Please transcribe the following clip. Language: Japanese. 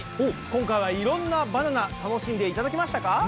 今回はいろんなバナナ楽しんでいただけましたか？